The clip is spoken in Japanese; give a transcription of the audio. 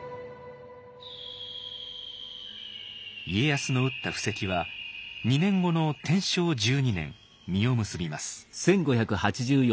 家康の打った布石は２年後の天正１２年実を結びます。